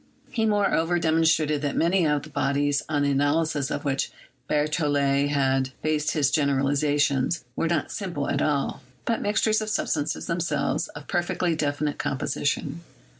He, moreover, demon strated that many of the bodies, on the analysis o£ which Berthollet had based his generalization, were not simple at all, but mixtures of substances, themselves of perfectly definite composition.